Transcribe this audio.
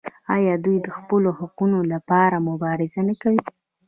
آیا دوی د خپلو حقونو لپاره مبارزه نه کوي؟